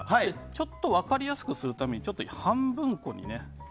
ちょっと分かりやすくするために半分こにね。